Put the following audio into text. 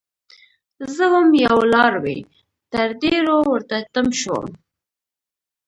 زه وم یو لاروی؛ تر ډيرو ورته تم شوم